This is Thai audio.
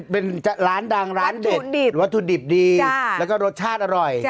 เป็นร้านดังร้านเด็ดวัตถุดิบดีแล้วก็รสชาติอร่อย